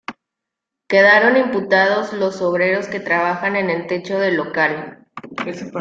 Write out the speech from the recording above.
Quedaron imputados los obreros que trabajaban en el techo del local.